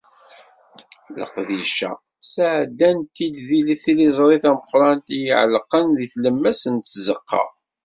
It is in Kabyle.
Leqdic-a, sɛeddan-t-id deg tiliẓri tameqqrant i iɛellqen deg tlemmast n tzeqqa.